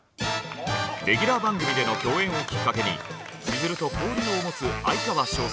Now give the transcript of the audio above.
レギュラー番組での共演をきっかけにしずると交流を持つ哀川翔さん。